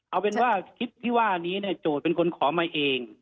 เอาเป็นว่าคลิปที่ว่านี้เนี่ยโจทย์เป็นคนขอมาเอง